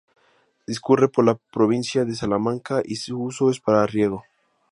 Discurre por la provincia de Salamanca, y su uso es para riego.